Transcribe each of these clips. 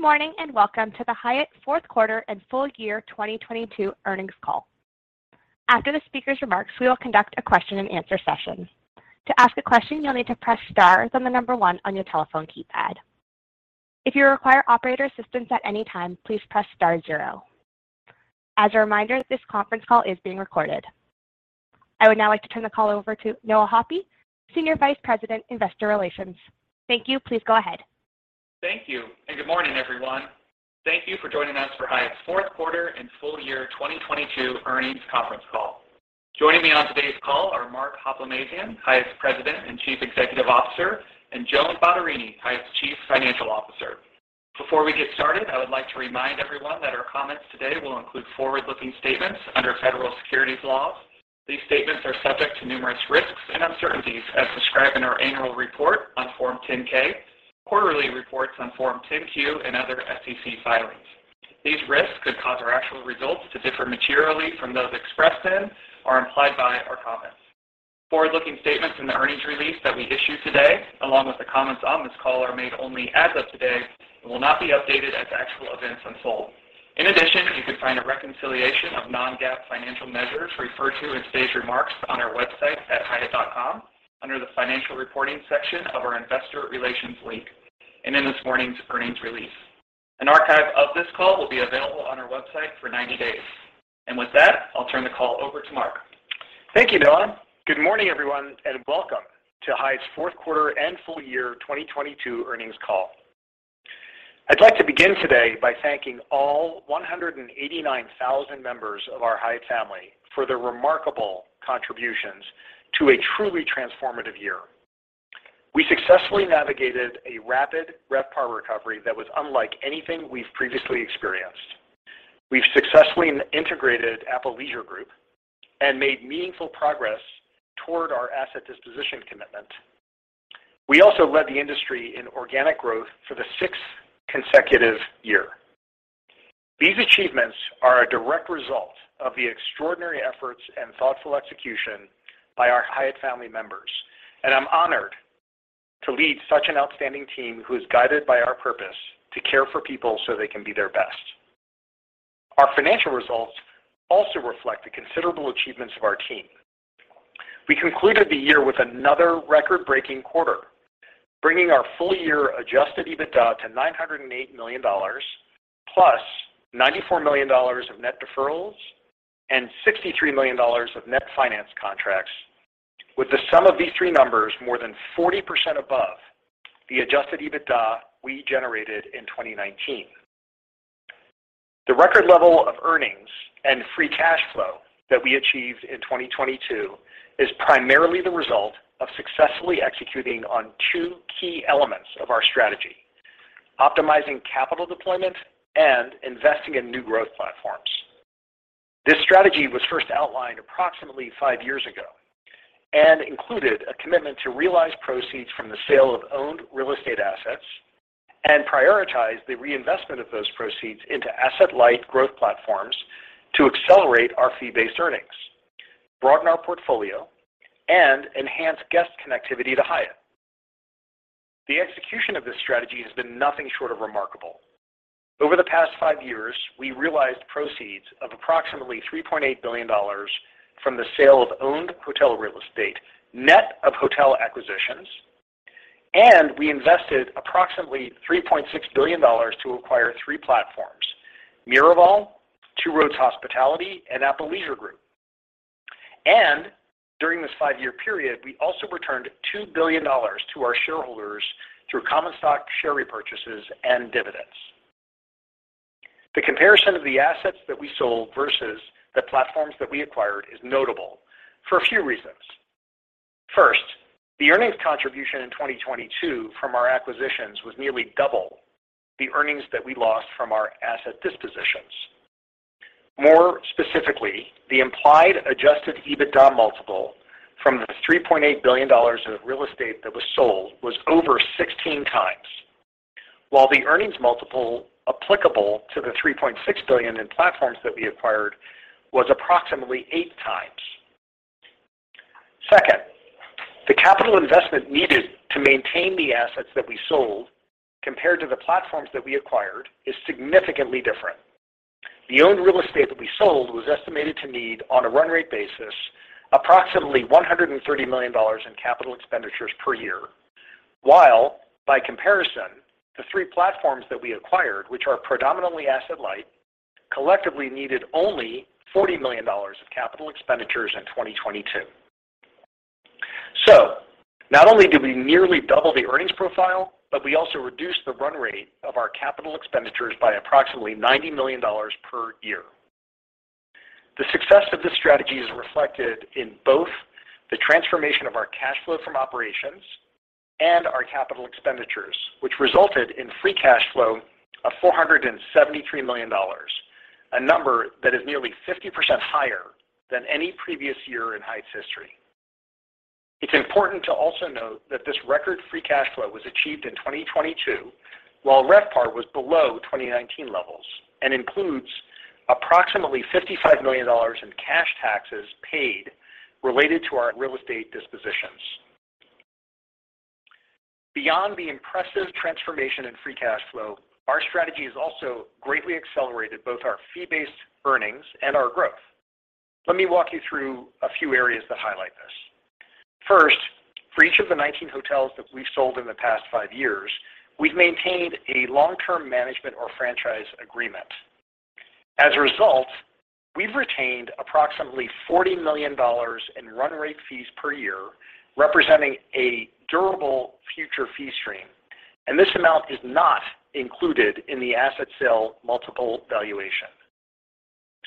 Good morning, and welcome to the Hyatt Q4 and full year 2022 earnings call. After the speaker's remarks, we will conduct a question and answer session. To ask a question, you'll need to press star then the number 1 on your telephone keypad. If you require operator assistance at any time, please press star 0. As a reminder, this conference call is being recorded. I would now like to turn the call over to Noah Hoppe, SVP, Investor Relations. Thank you. Please go ahead. Thank you. Good morning, everyone. Thank you for joining us for Hyatt's Q4 and full year 2022 earnings conference call. Joining me on today's call are Mark Hoplamazian, Hyatt's President and CEO, and Joan Bottarini, Hyatt's CFO. Before we get started, I would like to remind everyone that our comments today will include forward-looking statements under Federal Securities laws. These statements are subject to numerous risks and uncertainties as described in our annual report on Form 10-K, quarterly reports on Form 10-Q and other SEC filings. These risks could cause our actual results to differ materially from those expressed in or implied by our comments. Forward-looking statements in the earnings release that we issue today, along with the comments on this call, are made only as of today and will not be updated as actual events unfold. In addition, you can find a reconciliation of non-GAAP financial measures referred to in today's remarks on our website at hyatt.com under the Financial Reporting section of our Investor Relations link and in this morning's earnings release. An archive of this call will be available on our website for 90 days. With that, I'll turn the call over to Mark. Thank you, Noah. Good morning, everyone, and welcome to Hyatt's Q4 and full year 2022 earnings call. I'd like to begin today by thanking all 189,000 members of our Hyatt family for their remarkable contributions to a truly transformative year. We successfully navigated a rapid RevPAR recovery that was unlike anything we've previously experienced. We've successfully integrated Apple Leisure Group and made meaningful progress toward our asset disposition commitment. We also led the industry in organic growth for the sixth consecutive year. These achievements are a direct result of the extraordinary efforts and thoughtful execution by our Hyatt family members. I'm honored to lead such an outstanding team who is guided by our purpose to care for people so they can be their best. Our financial results also reflect the considerable achievements of our team. We concluded the year with another record-breaking quarter, bringing our full year Adjusted EBITDA to $908 million, plus $94 million of net deferrals and $63 million of net finance contracts, with the sum of these three numbers more than 40% above the Adjusted EBITDA we generated in 2019. The record level of earnings and free cash flow that we achieved in 2022 is primarily the result of successfully executing on two key elements of our strategy: optimizing capital deployment and investing in new growth platforms. This strategy was first outlined approximately 5 years ago and included a commitment to realize proceeds from the sale of owned real estate assets and prioritize the reinvestment of those proceeds into asset-light growth platforms to accelerate our fee-based earnings, broaden our portfolio, and enhance guest connectivity to Hyatt. The execution of this strategy has been nothing short of remarkable. Over the past five years, we realized proceeds of approximately $3.8 billion from the sale of owned hotel real estate, net of hotel acquisitions, and we invested approximately $3.6 billion to acquire three platforms, Miraval, Two Roads Hospitality, and Apple Leisure Group. During this five-year period, we also returned $2 billion to our shareholders through common stock share repurchases and dividends. The comparison of the assets that we sold versus the platforms that we acquired is notable for a few reasons. First, the earnings contribution in 2022 from our acquisitions was nearly double the earnings that we lost from our asset dispositions. More specifically, the implied Adjusted EBITDA multiple from the $3.8 billion of real estate that was sold was over 16x, while the earnings multiple applicable to the $3.6 billion in platforms that we acquired was approximately 8x. Second, the capital investment needed to maintain the assets that we sold compared to the platforms that we acquired is significantly different. The owned real estate that we sold was estimated to need, on a run rate basis, approximately $130 million in capital expenditures per year, while by comparison, the three platforms that we acquired, which are predominantly asset light, collectively needed only $40 million of capital expenditures in 2022. Not only did we nearly double the earnings profile, but we also reduced the run rate of our capital expenditures by approximately $90 million per year. The success of this strategy is reflected in both the transformation of our cash flow from operations and our capital expenditures, which resulted in free cash flow of $473 million, a number that is nearly 50% higher than any previous year in Hyatt's history. It's important to also note that this record free cash flow was achieved in 2022 while RevPAR was below 2019 levels and includes approximately $55 million in cash taxes paid related to our real estate dispositions. Beyond the impressive transformation in free cash flow, our strategy has also greatly accelerated both our fee-based earnings and our growth. Let me walk you through a few areas that highlight this. First, for each of the 19 hotels that we've sold in the past five years, we've maintained a long-term management or franchise agreement. As a result, we've retained approximately $40 million in run rate fees per year, representing a durable future fee stream, and this amount is not included in the asset sale multiple valuation.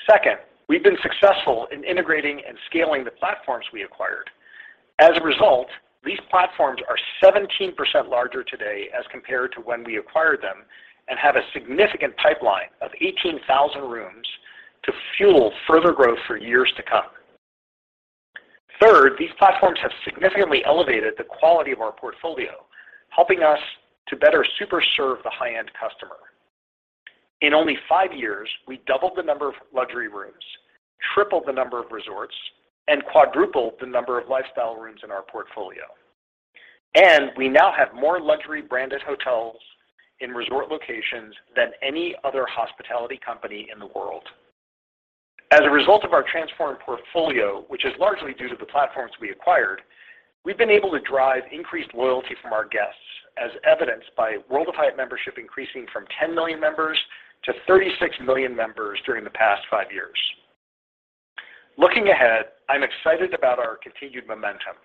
Second, we've been successful in integrating and scaling the platforms we acquired. As a result, these platforms are 17% larger today as compared to when we acquired them and have a significant pipeline of 18,000 rooms to fuel further growth for years to come. Third, these platforms have significantly elevated the quality of our portfolio, helping us to better super serve the high-end customer. In only five years, we doubled the number of luxury rooms, tripled the number of resorts, and quadrupled the number of lifestyle rooms in our portfolio. We now have more luxury branded hotels in resort locations than any other hospitality company in the world. As a result of our transformed portfolio, which is largely due to the platforms we acquired, we've been able to drive increased loyalty from our guests, as evidenced by World of Hyatt membership increasing from 10 million members to 36 million members during the past 5 years. Looking ahead, I'm excited about our continued momentum.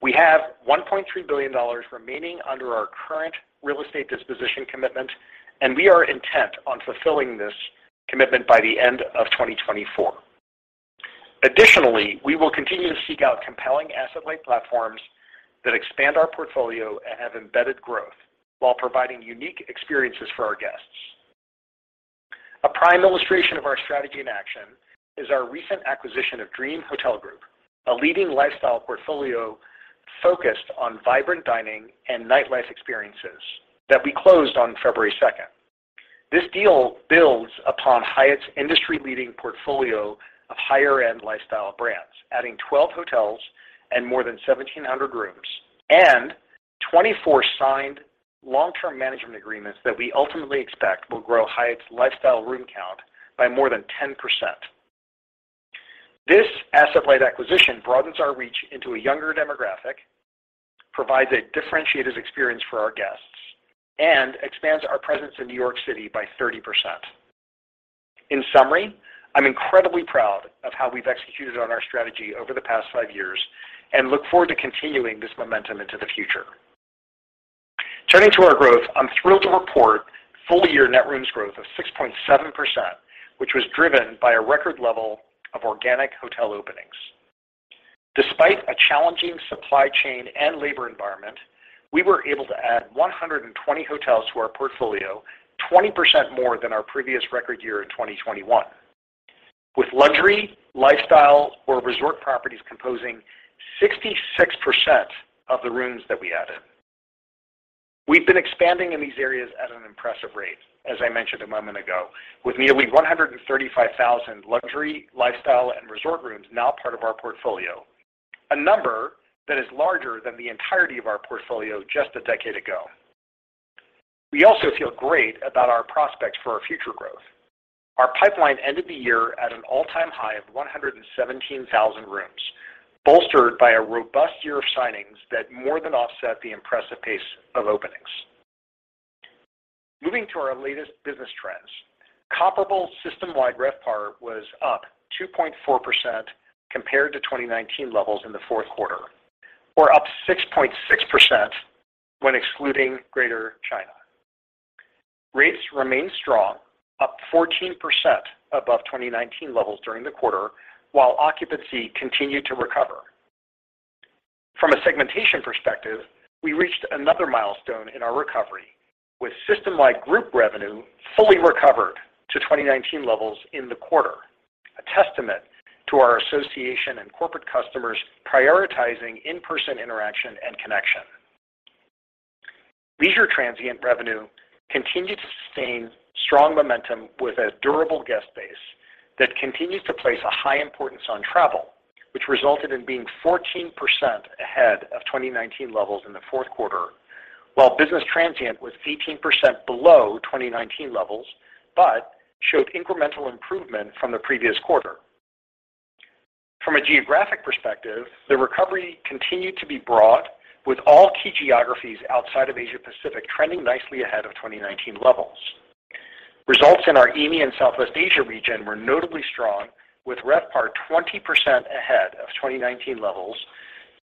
We have $1.3 billion remaining under our current real estate disposition commitment, and we are intent on fulfilling this commitment by the end of 2024. Additionally, we will continue to seek out compelling asset-light platforms that expand our portfolio and have embedded growth while providing unique experiences for our guests. A prime illustration of our strategy in action is our recent acquisition of Dream Hotel Group, a leading lifestyle portfolio focused on vibrant dining and nightlife experiences that we closed on February 2. This deal builds upon Hyatt's industry-leading portfolio of higher-end lifestyle brands, adding 12 hotels and more than 1,700 rooms and 24 signed long-term management agreements that we ultimately expect will grow Hyatt's lifestyle room count by more than 10%. This asset-light acquisition broadens our reach into a younger demographic, provides a differentiated experience for our guests, and expands our presence in New York City by 30%. In summary, I'm incredibly proud of how we've executed on our strategy over the past five years and look forward to continuing this momentum into the future. Turning to our growth, I'm thrilled to report full-year net rooms growth of 6.7%, which was driven by a record level of organic hotel openings. Despite a challenging supply chain and labor environment, we were able to add 120 hotels to our portfolio, 20% more than our previous record year in 2021, with luxury, lifestyle, or resort properties composing 66% of the rooms that we added. We've been expanding in these areas at an impressive rate, as I mentioned a moment ago, with nearly 135,000 luxury, lifestyle, and resort rooms now part of our portfolio, a number that is larger than the entirety of our portfolio just a decade ago. We also feel great about our prospects for our future growth. Our pipeline ended the year at an all-time high of 117,000 rooms, bolstered by a robust year of signings that more than offset the impressive pace of openings. Moving to our latest business trends, comparable system-wide RevPAR was up 2.4% compared to 2019 levels in the Q4, or up 6.6% when excluding Greater China. Rates remained strong, up 14% above 2019 levels during the quarter, while occupancy continued to recover. From a segmentation perspective, we reached another milestone in our recovery, with system-wide group revenue fully recovered to 2019 levels in the quarter, a testament to our association and corporate customers prioritizing in-person interaction and connection. Leisure transient revenue continued to sustain strong momentum with a durable guest base that continues to place a high importance on travel, which resulted in being 14% ahead of 2019 levels in the Q4, while business transient was 18% below 2019 levels, showed incremental improvement from the previous quarter. From a geographic perspective, the recovery continued to be broad, with all key geographies outside of Asia Pacific trending nicely ahead of 2019 levels. Results in our EAME and Southwest Asia region were notably strong, with RevPAR 20% ahead of 2019 levels,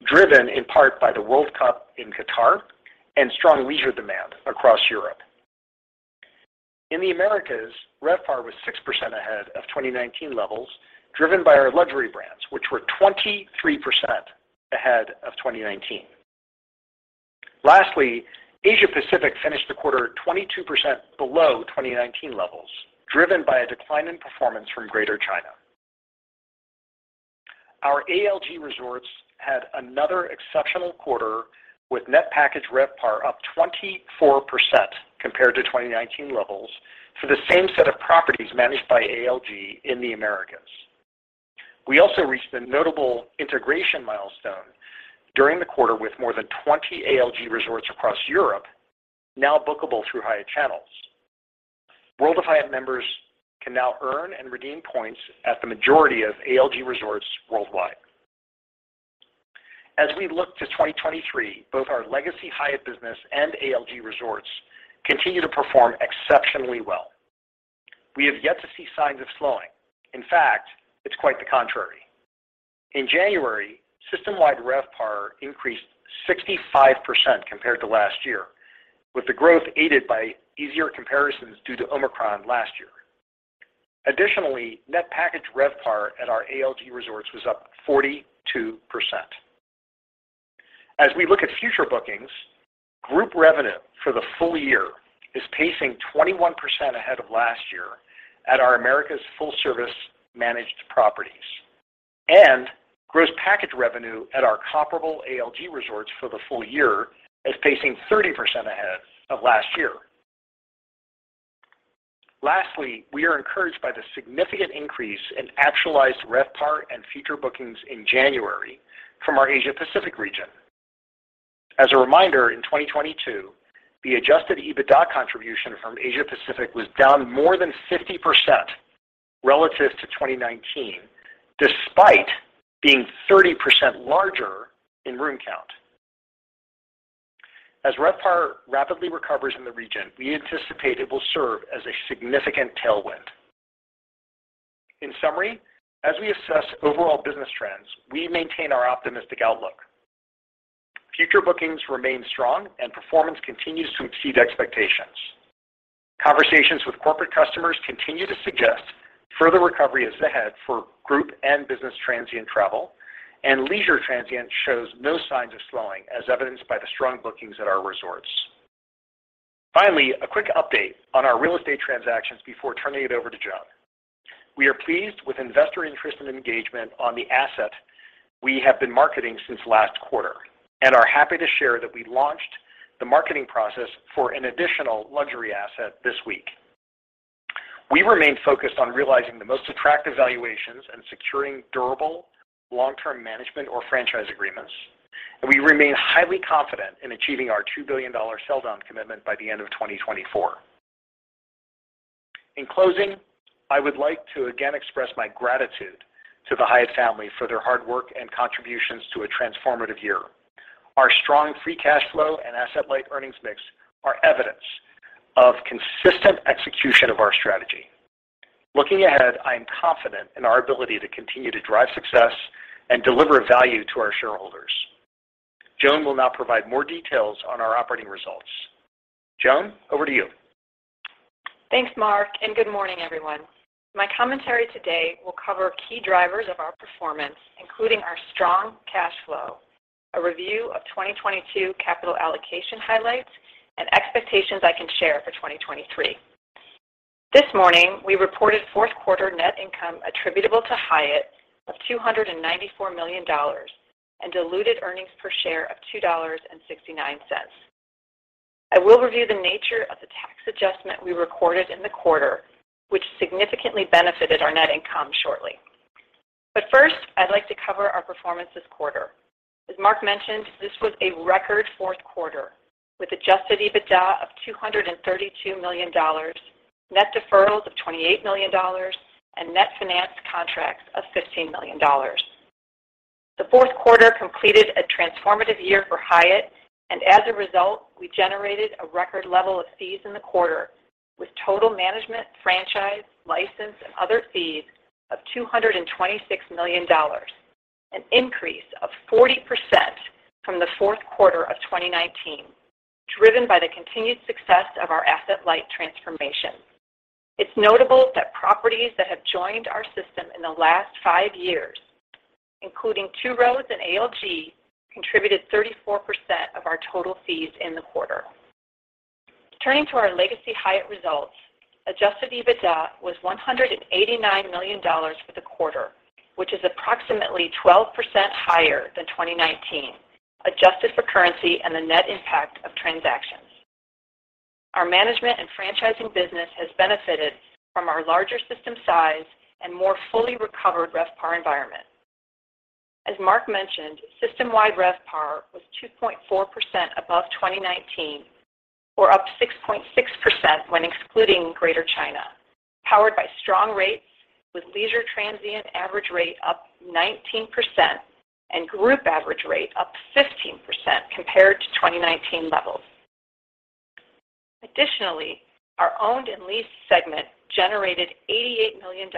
driven in part by the World Cup in Qatar and strong leisure demand across Europe. In the Americas, RevPAR was 6% ahead of 2019 levels, driven by our luxury brands, which were 23% ahead of 2019. Lastly, Asia Pacific finished the quarter 22% below 2019 levels, driven by a decline in performance from Greater China. Our ALG resorts had another exceptional quarter, with Net Package RevPAR up 24% compared to 2019 levels for the same set of properties managed by ALG in the Americas. We also reached a notable integration milestone during the quarter with more than 20 ALG resorts across Europe now bookable through Hyatt channels. World of Hyatt members can now earn and redeem points at the majority of ALG resorts worldwide. We look to 2023, both our legacy Hyatt business and ALG resorts continue to perform exceptionally well. We have yet to see signs of slowing. In fact, it's quite the contrary. In January, system-wide RevPAR increased 65% compared to last year, with the growth aided by easier comparisons due to Omicron last year. Net Package RevPAR at our ALG resorts was up 42%. As we look at future bookings, group revenue for the full year is pacing 21% ahead of last year at our Americas full-service managed properties. Gross package revenue at our comparable ALG resorts for the full year is pacing 30% ahead of last year. Lastly, we are encouraged by the significant increase in actualized RevPAR and future bookings in January from our Asia Pacific region. As a reminder, in 2022, the Adjusted EBITDA contribution from Asia Pacific was down more than 50% relative to 2019, despite being 30% larger in room count. As RevPAR rapidly recovers in the region, we anticipate it will serve as a significant tailwind. In summary, as we assess overall business trends, we maintain our optimistic outlook. Future bookings remain strong and performance continues to exceed expectations. Conversations with corporate customers continue to suggest further recovery is ahead for group and business transient travel. Leisure transient shows no signs of slowing as evidenced by the strong bookings at our resorts. Finally, a quick update on our real estate transactions before turning it over to Joan. We are pleased with investor interest and engagement on the asset we have been marketing since last quarter and are happy to share that we launched the marketing process for an additional luxury asset this week. We remain focused on realizing the most attractive valuations and securing durable long-term management or franchise agreements. We remain highly confident in achieving our $2 billion sell down commitment by the end of 2024. In closing, I would like to again express my gratitude to the Hyatt family for their hard work and contributions to a transformative year. Our strong free cash flow and asset-light earnings mix are evidence of consistent execution of our strategy. Looking ahead, I am confident in our ability to continue to drive success and deliver value to our shareholders. Joan will now provide more details on our operating results. Joan, over to you. Thanks, Mark. Good morning, everyone. My commentary today will cover key drivers of our performance, including our strong cash flow, a review of 2022 capital allocation highlights, and expectations I can share for 2023. This morning, we reported Q4 net income attributable to Hyatt of $294 million and diluted earnings per share of $2.69. I will review the nature of the tax adjustment we recorded in the quarter, which significantly benefited our net income shortly. First, I'd like to cover our performance this quarter. As Mark mentioned, this was a record Q4 with Adjusted EBITDA of $232 million, Net Deferrals of $28 million, and Net Finance Contracts of $15 million. The Q4 completed a transformative year for Hyatt. As a result, we generated a record level of fees in the quarter with total management, franchise, license, and other fees of $226 million, an increase of 40% from the Q4 of 2019, driven by the continued success of our asset-light transformation. It's notable that properties that have joined our system in the last 5 years, including Two Roads and ALG, contributed 34% of our total fees in the quarter. Turning to our legacy Hyatt results, Adjusted EBITDA was $189 million for the quarter, which is approximately 12% higher than 2019, adjusted for currency and the net impact of transactions. Our management and franchising business has benefited from our larger system size and more fully recovered RevPAR environment. As Mark mentioned, system-wide RevPAR was 2.4% above 2019 or up 6.6% when excluding Greater China, powered by strong rates with leisure transient average rate up 19% and group average rate up 15% compared to 2019 levels. Additionally, our owned and leased segment generated $88 million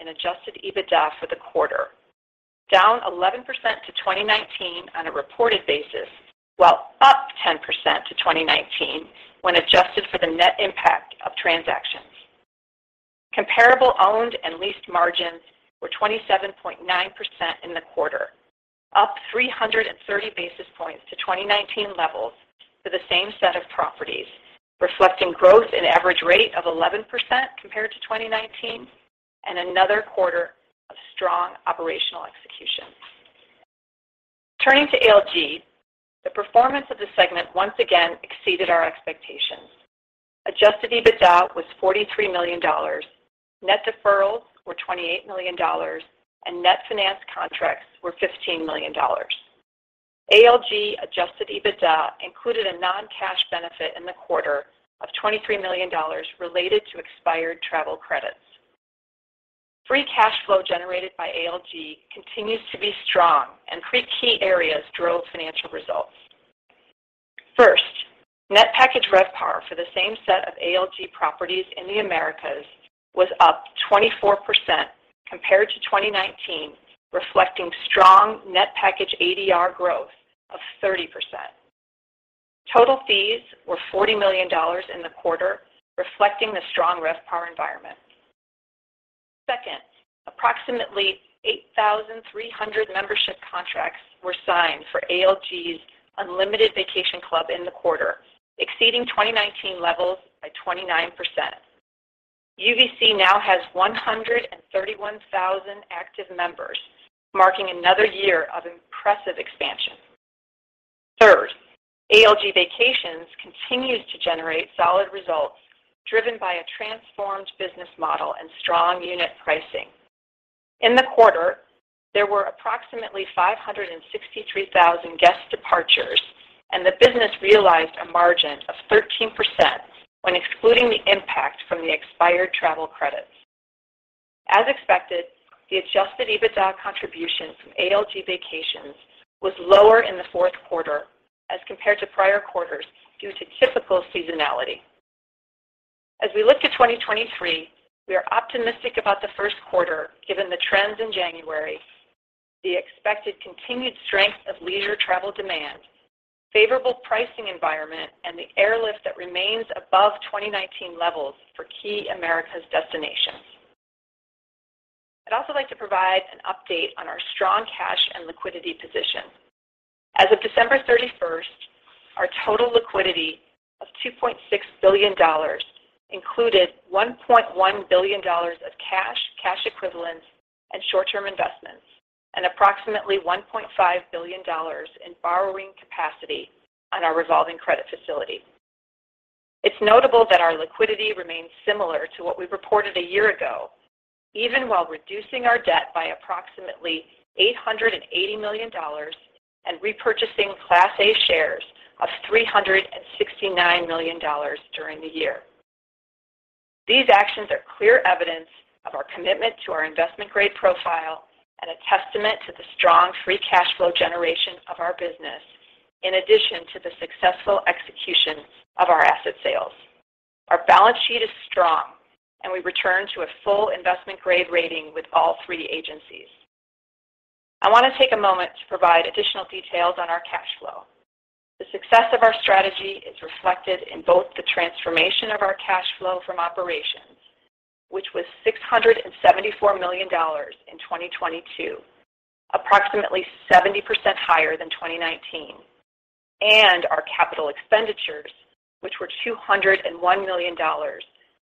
in Adjusted EBITDA for the quarter, down 11% to 2019 on a reported basis, while up 10% to 2019 when adjusted for the net impact of transactions. Comparable owned and leased margins were 27.9% in the quarter, up 330 basis points to 2019 levels for the same set of properties, reflecting growth in average rate of 11% compared to 2019 and another quarter of strong operational execution. Turning to ALG, the performance of the segment once again exceeded our expectations. Adjusted EBITDA was $43 million, net deferrals were $28 million, net finance contracts were $15 million. ALG Adjusted EBITDA included a non-cash benefit in the quarter of $23 million related to expired travel credits. free cash flow generated by ALG continues to be strong. Three key areas drove financial results. First, Net Package RevPAR for the same set of ALG properties in the Americas was up 24% compared to 2019, reflecting strong Net Package ADR growth of 30%. Total fees were $40 million in the quarter, reflecting the strong RevPAR environment. Second, approximately 8,300 membership contracts were signed for ALG's Unlimited Vacation Club in the quarter, exceeding 2019 levels by 29%. UVC now has 131,000 active members, marking another year of impressive expansion. Third, ALG Vacations continues to generate solid results driven by a transformed business model and strong unit pricing. In the quarter, there were approximately 563,000 guest departures, and the business realized a margin of 13% when excluding the impact from the expired travel credits. As expected, the Adjusted EBITDA contribution from ALG Vacations was lower in the Q4 as compared to prior quarters due to typical seasonality. As we look to 2023, we are optimistic about the Q1 given the trends in January, the expected continued strength of leisure travel demand, favorable pricing environment, and the airlift that remains above 2019 levels for key America's destinations. I'd also like to provide an update on our strong cash and liquidity position. As of December 31st, our total liquidity of $2.6 billion included $1.1 billion of cash equivalents, and short-term investments, and approximately $1.5 billion in borrowing capacity on our revolving credit facility. It's notable that our liquidity remains similar to what we reported a year ago, even while reducing our debt by approximately $880 million and repurchasing class A shares of $369 million during the year. These actions are clear evidence of our commitment to our investment grade profile and a testament to the strong free cash flow generation of our business in addition to the successful execution of our asset sales. Our balance sheet is strong, we return to a full investment grade rating with all three agencies. I want to take a moment to provide additional details on our cash flow. The success of our strategy is reflected in both the transformation of our cash flow from operations, which was $674 million in 2022, approximately 70% higher than 2019, and our capital expenditures, which were $201 million,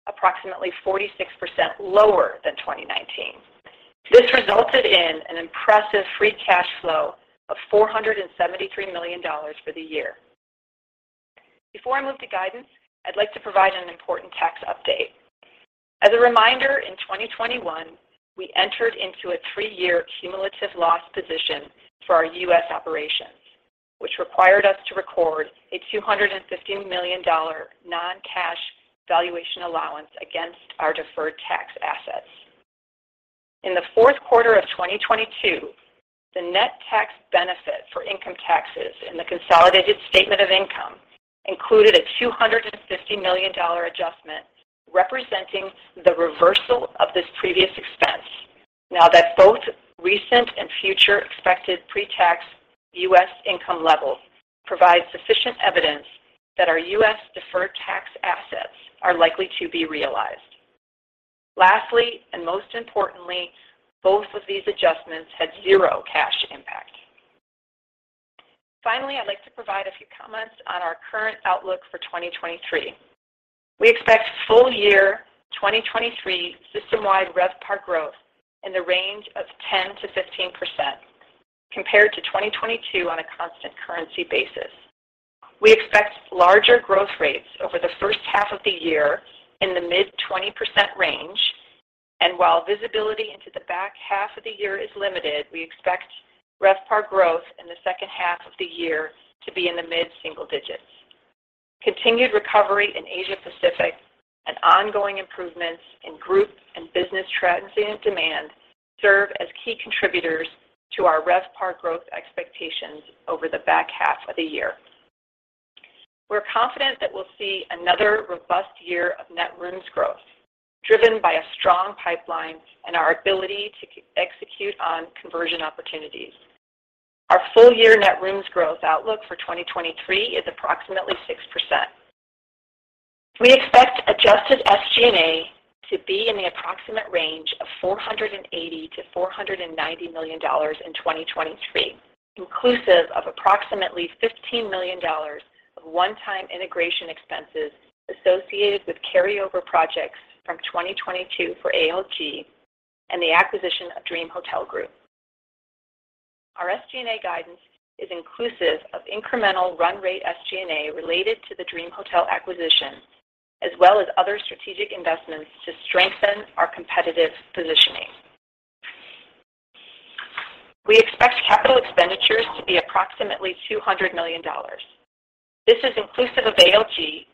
approximately 46% lower than 2019. This resulted in an impressive free cash flow of $473 million for the year. Before I move to guidance, I'd like to provide an important tax update. As a reminder, in 2021, we entered into a 3-year cumulative loss position for our U.S. operations, which required us to record a $250 million non-cash valuation allowance against our deferred tax assets. In the Q4 of 2022, the net tax benefit for income taxes in the consolidated statement of income included a $250 million adjustment representing the reversal of this previous expense now that both recent and future expected pre-tax U.S. income levels provide sufficient evidence that our U.S. deferred tax assets are likely to be realized. Lastly, and most importantly, both of these adjustments had zero cash impact. I'd like to provide a few comments on our current outlook for 2023. We expect full year 2023 system-wide RevPAR growth in the range of 10%-15% compared to 2022 on a constant currency basis. We expect larger growth rates over the first half of the year in the mid-20% range. While visibility into the back half of the year is limited, we expect RevPAR growth in the second half of the year to be in the mid single digits. Continued recovery in Asia-Pacific and ongoing improvements in group and business transit and demand serve as key contributors to our RevPAR growth expectations over the back half of the year. We're confident that we'll see another robust year of net rooms growth driven by a strong pipeline and our ability to execute on conversion opportunities. Our full year net rooms growth outlook for 2023 is approximately 6%. We expect Adjusted SG&A to be in the approximate range of $480 million-$490 million in 2023, inclusiveApproximately $15 million of one-time integration expenses associated with carryover projects from 2022 for ALG and the acquisition of Dream Hotel Group. Our SG&A guidance is inclusive of incremental run rate SG&A related to the Dream Hotel acquisition, as well as other strategic investments to strengthen our competitive positioning. We expect capital expenditures to be approximately $200 million. This is inclusive of ALG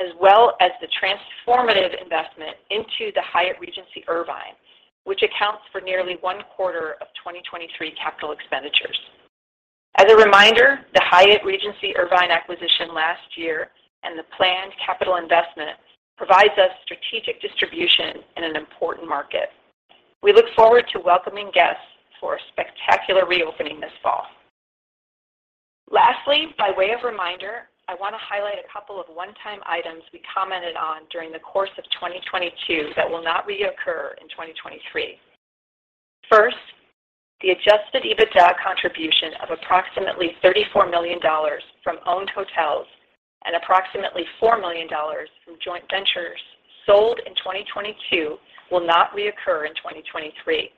as well as the transformative investment into the Hyatt Regency Irvine, which accounts for nearly one quarter of 2023 capital expenditures. As a reminder, the Hyatt Regency Irvine acquisition last year and the planned capital investment provides us strategic distribution in an important market. We look forward to welcoming guests for a spectacular reopening this fall. Lastly, by way of reminder, I want to highlight a couple of one-time items we commented on during the course of 2022 that will not reoccur in 2023. First, the Adjusted EBITDA contribution of approximately $34 million from owned hotels and approximately $4 million from joint ventures sold in 2022 will not reoccur in 2023.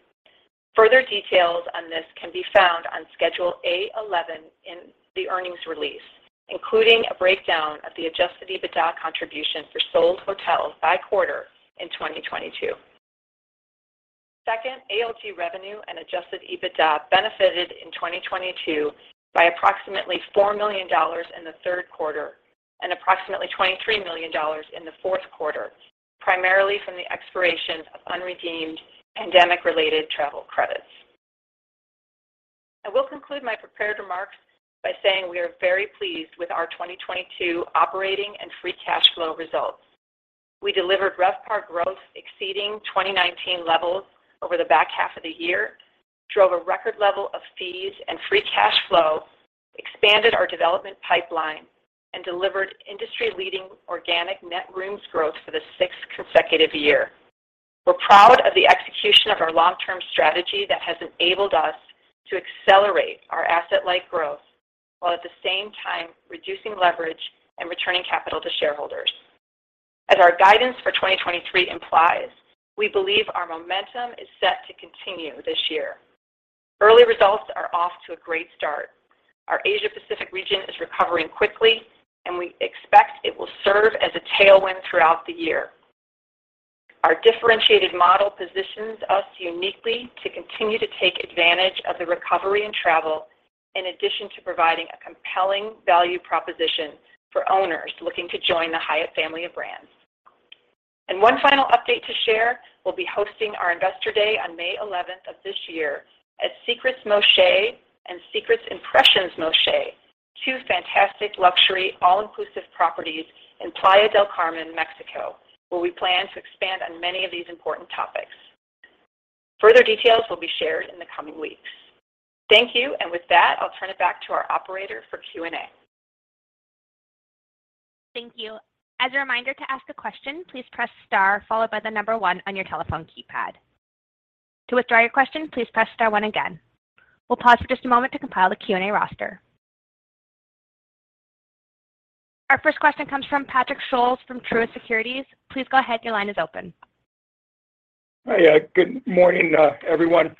Further details on this can be found on Schedule A-11 in the earnings release, including a breakdown of the Adjusted EBITDA contribution for sold hotels by quarter in 2022. Second, ALG revenue and Adjusted EBITDA benefited in 2022 by approximately $4 million in the Q3 and approximately $23 million in the Q4, primarily from the expiration of unredeemed pandemic-related travel credits. I will conclude my prepared remarks by saying we are very pleased with our 2022 operating and free cash flow results. We delivered RevPAR growth exceeding 2019 levels over the back half of the year, drove a record level of fees and free cash flow, expanded our development pipeline, delivered industry-leading organic net rooms growth for the sixth consecutive year. We're proud of the execution of our long-term strategy that has enabled us to accelerate our asset-light growth while at the same time reducing leverage and returning capital to shareholders. As our guidance for 2023 implies, we believe our momentum is set to continue this year. Early results are off to a great start. Our Asia Pacific region is recovering quickly, we expect it will serve as a tailwind throughout the year. Our differentiated model positions us uniquely to continue to take advantage of the recovery in travel, in addition to providing a compelling value proposition for owners looking to join the Hyatt family of brands. One final update to share, we'll be hosting our Investor Day on May 11 of this year at Secrets Moxché and Secrets Impression Moxché, two fantastic luxury all-inclusive properties in Playa del Carmen, Mexico, where we plan to expand on many of these important topics. Further details will be shared in the coming weeks. Thank you. With that, I'll turn it back to our operator for Q&A. Thank you. As a reminder to ask a question, please press star followed by 1 on your telephone keypad. To withdraw your question, please press star one again. We'll pause for just a moment to compile the Q&A roster. Our first question comes from Patrick Scholes from Truist Securities. Please go ahead. Your line is open. Hi. Good morning, everyone.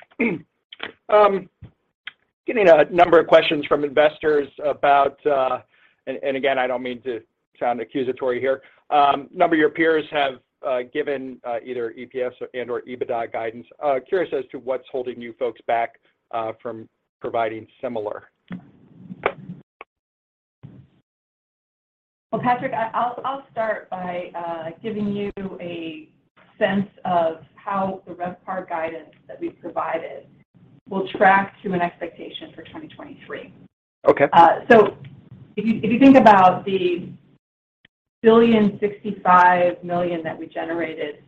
Getting a number of questions from investors about. Again, I don't mean to sound accusatory here. A number of your peers have given either EPS and/or EBITDA guidance. Curious as to what's holding you folks back from providing similar. Well, Patrick, I'll start by giving you a sense of how the RevPAR guidance that we've provided will track to an expectation for 2023. Okay. If you, if you think about the $1.065 billion that we generated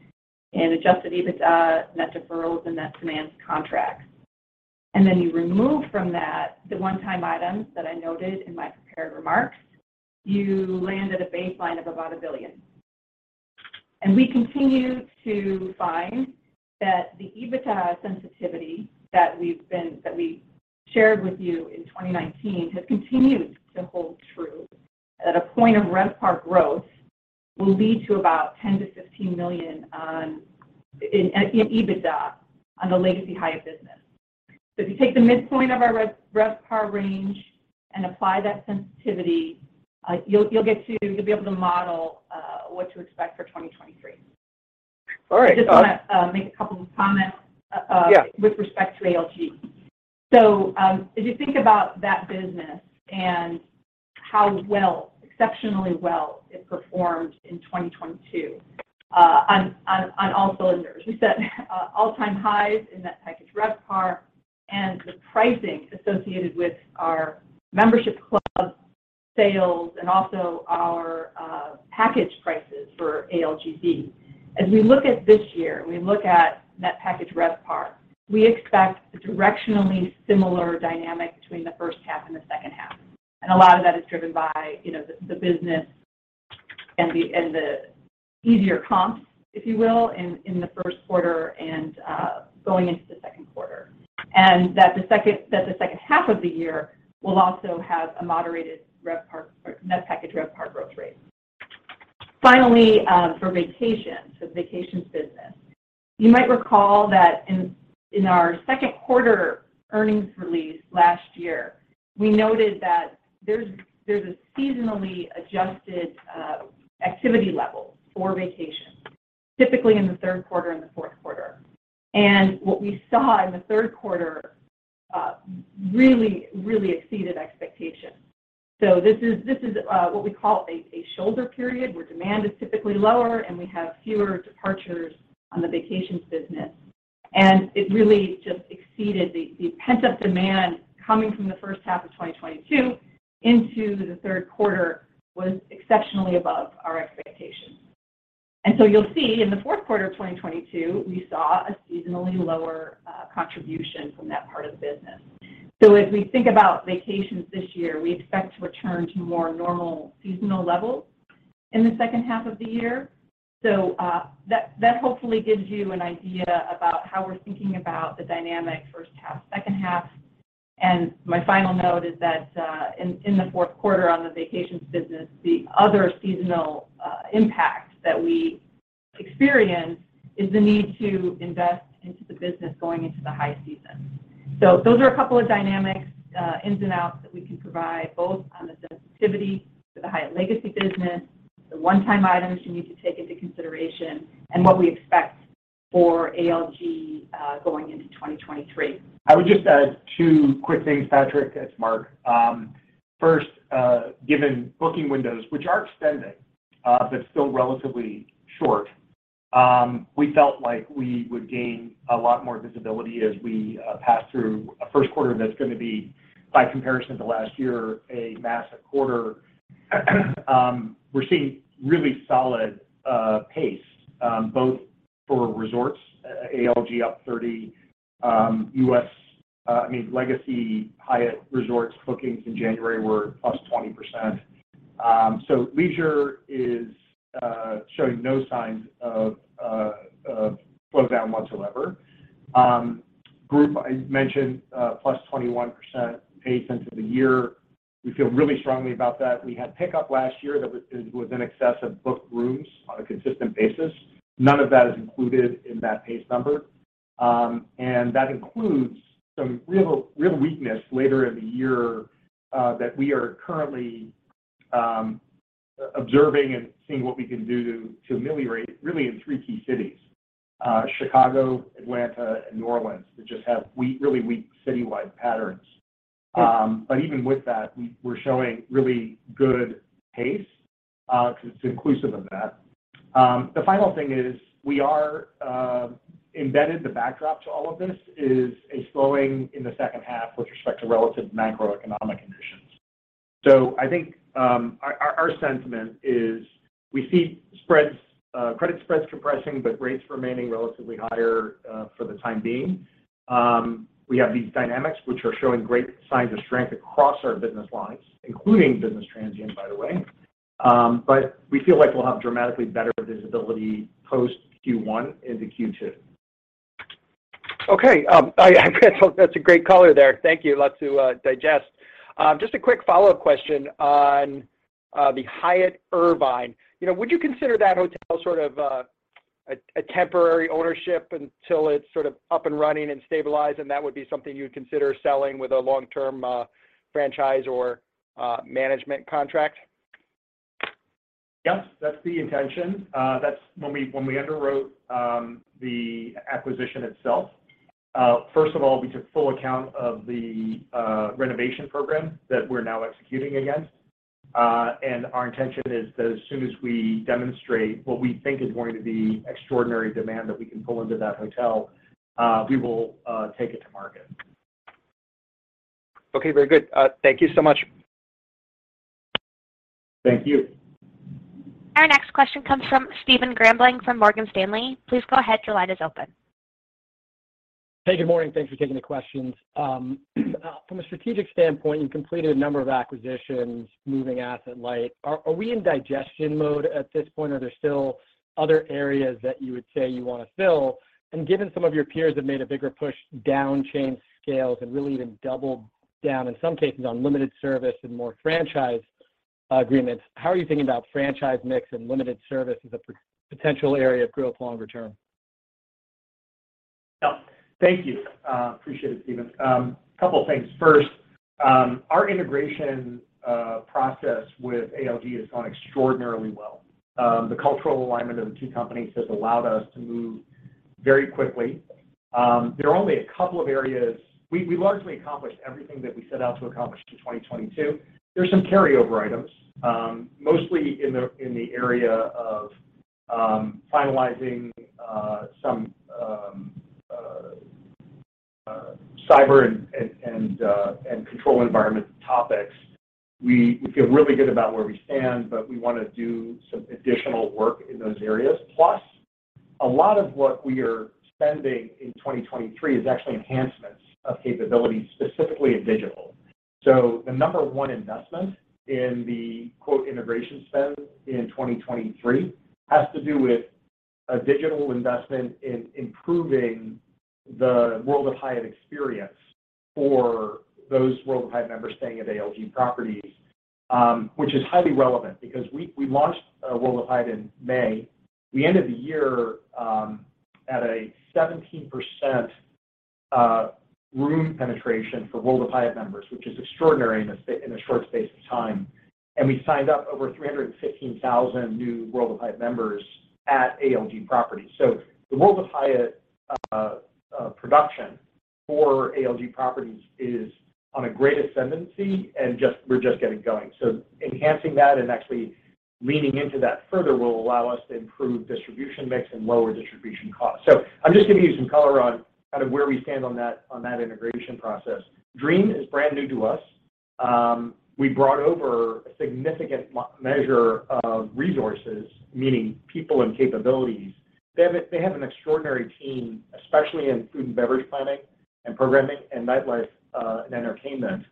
in Adjusted EBITDA, net deferrals, and net financed contracts, and then you remove from that the one-time items that I noted in my prepared remarks, you land at a baseline of about $1 billion. We continue to find that the EBITDA sensitivity that we shared with you in 2019 has continued to hold true, that a point of RevPAR growth will lead to about $10 million-$15 million in EBITDA on the legacy Hyatt business. If you take the midpoint of our RevPAR range and apply that sensitivity, you'll get to you'll be able to model what to expect for 2023. All right. Just want to make a couple of comments Yeah with respect to ALG. If you think about that business and how well, exceptionally well it performed in 2022, on all cylinders, we set all-time highs in Net Package RevPAR and the pricing associated with our membership club sales and also our package prices for ALGV. As we look at this year, we look at Net Package RevPAR, we expect a directionally similar dynamic between the first half and the second half, and a lot of that is driven by, you know, the business The easier comps, if you will, in the Q1 and going into the Q2. That the second half of the year will also have a moderated RevPAR or Net Package RevPAR growth rate. Finally, for vacations, the vacations business. You might recall that in our Q2 earnings release last year, we noted that there's a seasonally adjusted activity level for vacations, typically in the Q3 and the Q4. What we saw in the Q3 really exceeded expectations. This is what we call a shoulder period, where demand is typically lower, and we have fewer departures on the vacations business. It really just exceeded the pent-up demand coming from the first half of 2022 into the Q3 was exceptionally above our expectations. You'll see in the Q4 of 2022, we saw a seasonally lower contribution from that part of the business. As we think about vacations this year, we expect to return to more normal seasonal levels in the second half of the year. That hopefully gives you an idea about how we're thinking about the dynamic first half, second half. My final note is that in the Q4 on the vacations business, the other seasonal impact that we experience is the need to invest into the business going into the high season. Those are a couple of dynamics, ins and outs that we can provide, both on the sensitivity to the Hyatt Legacy business, the one-time items you need to take into consideration, and what we expect for ALG, going into 2023. I would just add two quick things, Patrick. It's Mark. First, given booking windows, which are extending, but still relatively short, we felt like we would gain a lot more visibility as we pass through a Q1 that's gonna be, by comparison to last year, a massive quarter. We're seeing really solid pace, both for resorts, ALG up 30. I mean, Legacy Hyatt Resorts bookings in January were +20%. Leisure is showing no signs of slowdown whatsoever. Group, I mentioned, +21% pace into the year. We feel really strongly about that. We had pickup last year it was in excess of booked rooms on a consistent basis. None of that is included in that pace number. That includes some real weakness later in the year that we are currently observing and seeing what we can do to ameliorate really in three key cities, Chicago, Atlanta, and New Orleans, that just have weak, really weak citywide patterns. Even with that, we're showing really good pace 'cause it's inclusive of that. The final thing is we are embedded, the backdrop to all of this is a slowing in the second half with respect to relative macroeconomic conditions. I think our sentiment is we see spreads, credit spreads compressing, but rates remaining relatively higher for the time being. We have these dynamics which are showing great signs of strength across our business lines, including business transient, by the way. We feel like we'll have dramatically better visibility post Q1 into Q2. Okay. I that's a great color there. Thank you. A lot to digest. Just a quick follow-up question on the Hyatt Irvine. You know, would you consider that hotel sort of a temporary ownership until it's up and running and stabilized, and that would be something you'd consider selling with a long-term franchise or management contract? Yes, that's the intention. That's when we underwrote the acquisition itself, first of all, we took full account of the renovation program that we're now executing against. Our intention is that as soon as we demonstrate what we think is going to be extraordinary demand that we can pull into that hotel, we will take it to market. Okay. Very good. Thank you so much. Thank you. Our next question comes from Stephen Grambling from Morgan Stanley. Please go ahead. Your line is open. Hey, good morning. Thanks for taking the questions. From a strategic standpoint, you completed a number of acquisitions, moving asset light. Are we in digestion mode at this point, or are there still other areas that you would say you wanna fill? Given some of your peers have made a bigger push down chain scales and really even doubled down, in some cases, on limited service and more franchise agreements, how are you thinking about franchise mix and limited service as a potential area of growth longer term? Yeah. Thank you. Appreciate it, Stephen. Couple things. First, our integration process with ALG has gone extraordinarily well. The cultural alignment of the two companies has allowed us to move very quickly. There are only a couple of areas. We largely accomplished everything that we set out to accomplish in 2022. There's some carryover items, mostly in the area of finalizing some cyber and control environment topics. We feel really good about where we stand, but we wanna do some additional work in those areas. A lot of what we are spending in 2023 is actually enhancements of capabilities, specifically in digital. The number one investment in the quote, integration spend in 2023 has to do with a digital investment in improving the World of Hyatt experience for those World of Hyatt members staying at ALG Properties, which is highly relevant because we launched World of Hyatt in May. We ended the year at a 17% room penetration for World of Hyatt members, which is extraordinary in a short space of time. We signed up over 315,000 new World of Hyatt members at ALG Properties. The World of Hyatt production for ALG Properties is on a great ascendancy, and we're just getting going. Enhancing that and actually leaning into that further will allow us to improve distribution mix and lower distribution costs. I'm just giving you some color on kind of where we stand on that, on that integration process. Dream is brand new to us. We brought over a significant measure of resources, meaning people and capabilities. They have an extraordinary team, especially in food and beverage planning and programming and nightlife and entertainment.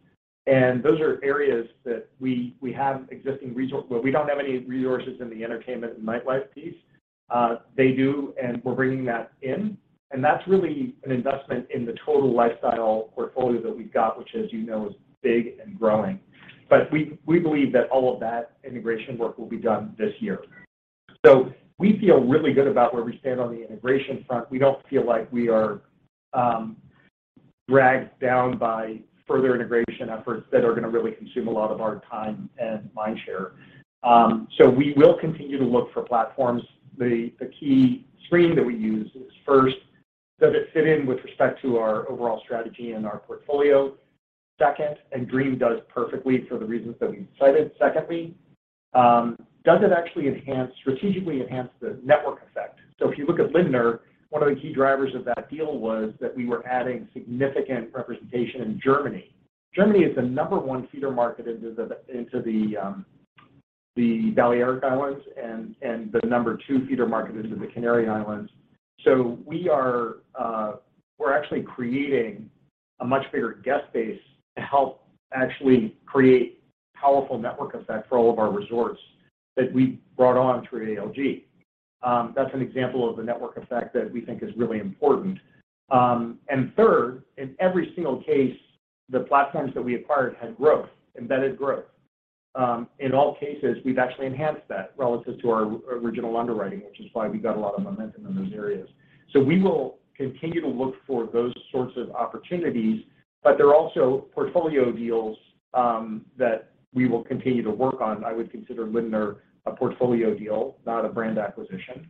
Those are areas that we have existing where we don't have any resources in the entertainment and nightlife piece. They do, and we're bringing that in, and that's really an investment in the total lifestyle portfolio that we've got, which, as you know, is big and growing. We believe that all of that integration work will be done this year. We feel really good about where we stand on the integration front. We don't feel like we are dragged down by further integration efforts that are going to really consume a lot of our time and mind share. We will continue to look for platforms. The key screen that we use is, first, does it fit in with respect to our overall strategy and our portfolio? Second, Dream does perfectly for the reasons that we've cited. Secondly, does it actually enhance, strategically enhance the network effect? If you look at Lindner, one of the key drivers of that deal was that we were adding significant representation in Germany. Germany is the number one feeder market into the Balearic Islands and the number two feeder market into the Canary Islands. We are, we're actually creating a much bigger guest base to help actually create powerful network effect for all of our resorts that we brought on through ALG. That's an example of the network effect that we think is really important. Third, in every single case, the platforms that we acquired had growth, embedded growth. In all cases, we've actually enhanced that relative to our original underwriting, which is why we got a lot of momentum in those areas. We will continue to look for those sorts of opportunities, but there are also portfolio deals that we will continue to work on. I would consider Lindner a portfolio deal, not a brand acquisition.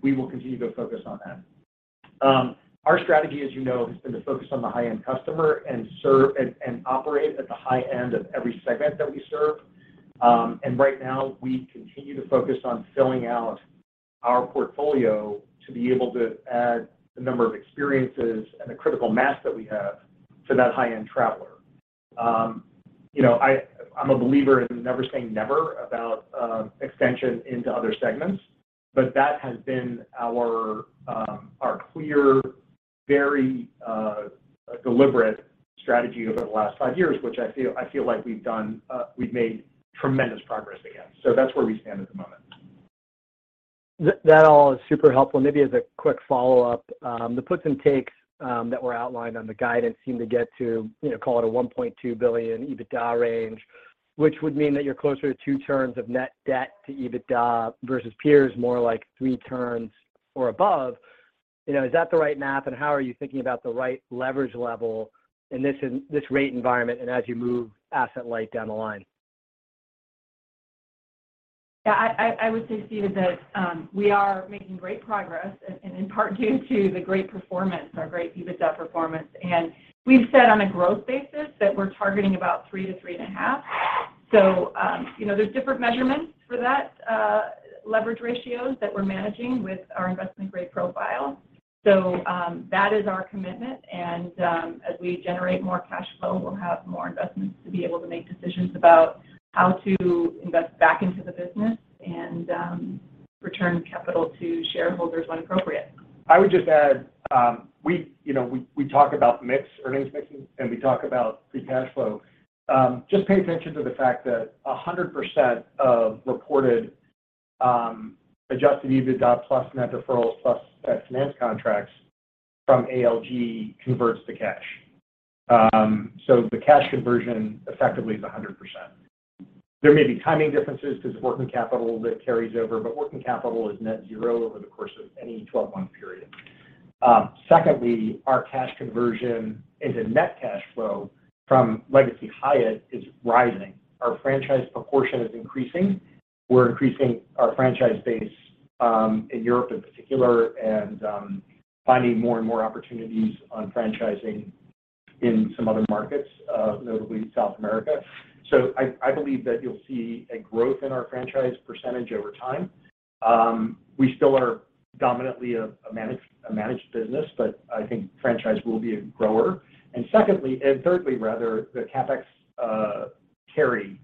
We will continue to focus on that. Our strategy, as you know, has been to focus on the high-end customer and serve and operate at the high end of every segment that we serve. Right now, we continue to focus on filling out our portfolio to be able to add the number of experiences and the critical mass that we have to that high-end traveler. You know, I'm a believer in never saying never about extension into other segments, but that has been our clear, very deliberate strategy over the last five years, which I feel like we've made tremendous progress against. That's where we stand at the moment. That all is super helpful. Maybe as a quick follow-up, the puts and takes that were outlined on the guidance seem to get to, you know, call it a $1.2 billion EBITDA range, which would mean that you're closer to 2 turns of net debt to EBITDA versus peers more like 3 turns or above. You know, is that the right math, and how are you thinking about the right leverage level in this, in this rate environment and as you move asset light down the line? Yeah. I would say, Stephen, that we are making great progress in part due to the great performance, our great EBITDA performance. We've said on a growth basis that we're targeting about 3-3.5. You know, there's different measurements for that, leverage ratios that we're managing with our investment-grade profile. That is our commitment, and as we generate more cash flow, we'll have more investments to be able to make decisions about how to invest back into the business and return capital to shareholders when appropriate. I would just add, we talk about mix, earnings mixing, and we talk about free cash flow. Just pay attention to the fact that 100% of reported Adjusted EBITDA plus net deferrals plus net finance contracts from ALG converts to cash. The cash conversion effectively is 100%. There may be timing differences because of working capital that carries over, but working capital is net zero over the course of any 12-month period. Secondly, our cash conversion into net cash flow from legacy Hyatt is rising. Our franchise proportion is increasing. We're increasing our franchise base in Europe in particular and finding more and more opportunities on franchising in some other markets, notably South America. I believe that you'll see a growth in our franchise percentage over time. We still are dominantly a managed business, but I think franchise will be a grower. Thirdly, rather, the CapEx carry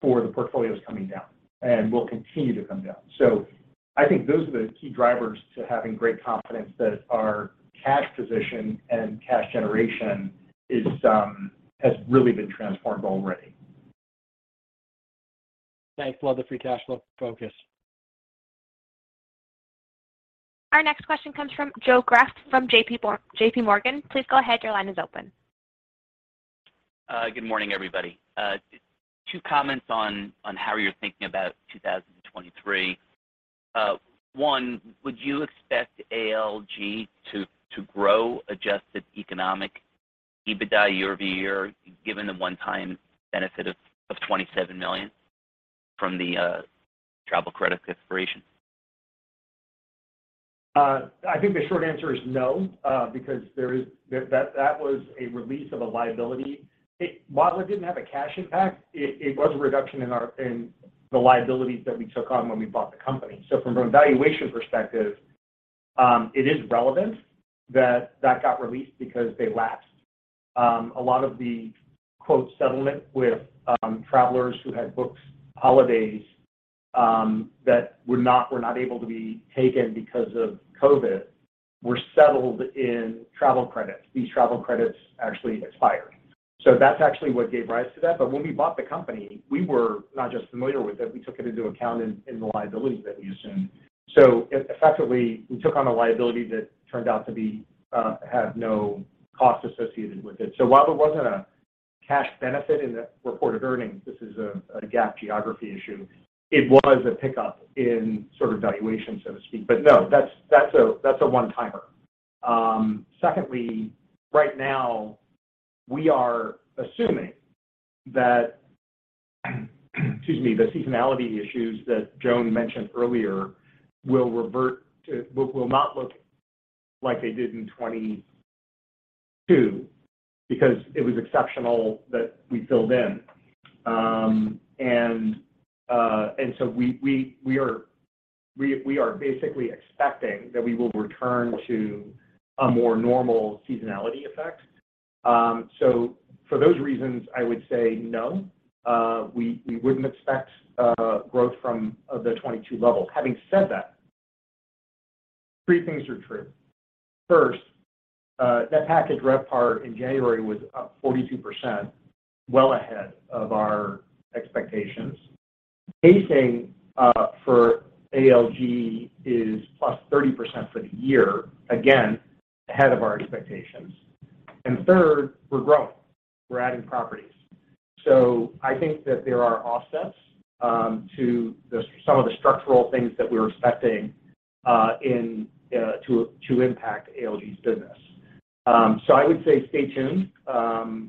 for the portfolios coming down and will continue to come down. I think those are the key drivers to having great confidence that our cash position and cash generation is has really been transformed already. Thanks. Love the free cash flow focus. Our next question comes from Joe Greff from JPMorgan. Please go ahead. Your line is open. Good morning, everybody. Two comments on how you're thinking about 2023. One, would you expect ALG to grow Adjusted economic EBITDA year-over-year, given the one-time benefit of $27 million from the travel credit expiration? I think the short answer is no, because that was a release of a liability. While it didn't have a cash impact, it was a reduction in the liabilities that we took on when we bought the company. From a valuation perspective, it is relevant that that got released because they lapsed. A lot of the quote "settlement" with travelers who had booked holidays that were not, were not able to be taken because of COVID were settled in travel credits. These travel credits actually expired. That's actually what gave rise to that. When we bought the company, we were not just familiar with it, we took it into account in the liabilities that we assumed. effectively, we took on a liability that turned out to be, have no cost associated with it. While there wasn't a cash benefit in the reported earnings, this is a GAAP geography issue. It was a pickup in sort of valuation, so to speak. No, that's a one-timer. Secondly, right now we are assuming that, excuse me, the seasonality issues that Joan mentioned earlier will not look like they did in 2022 because it was exceptional that we filled in. We are basically expecting that we will return to a more normal seasonality effect. For those reasons, I would say no, we wouldn't expect growth from the 2022 levels. Having said that, three things are true. First, that package RevPAR in January was up 42%, well ahead of our expectations. Pacing for ALG is +30% for the year, again, ahead of our expectations. Third, we're growing, we're adding properties. I think that there are offsets to some of the structural things that we're expecting to impact ALG's business. I would say stay tuned.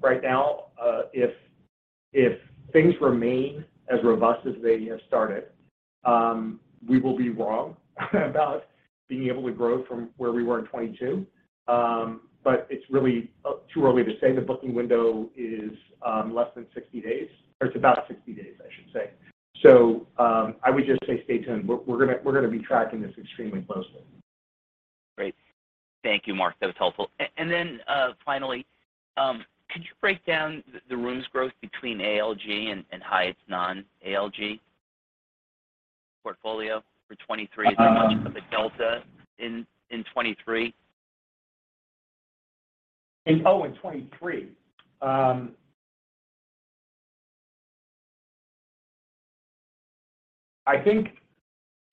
Right now, if things remain as robust as they have started, we will be wrong about being able to grow from where we were in 2022. It's really too early to say. The booking window is less than 60 days, or it's about 60 days, I should say. I would just say stay tuned. We're going to be tracking this extremely closely. Great. Thank you, Mark. That was helpful. Finally, could you break down the rooms growth between ALG and Hyatt's non-ALG portfolio for 2023? Um How much of the delta in 2023? In 2023. I think,